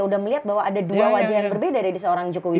sudah melihat bahwa ada dua wajah yang berbeda dari seorang jokowi